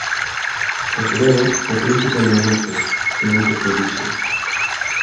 Xa que logo, o príncipe non nace, senón que se elixe.